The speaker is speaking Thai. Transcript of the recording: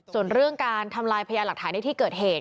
ส่วนเรื่องการทำลายพยานหลักฐานในที่เกิดเหตุ